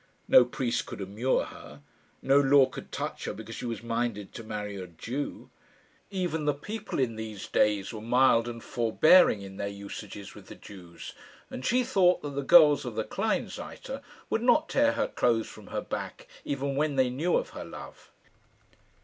No priest could immure her. No law could touch her because she was minded to marry a Jew. Even the people in these days were mild and forbearing in their usages with the Jews, and she thought that the girls of the Kleinseite would not tear her clothes from her back even when they knew of her love.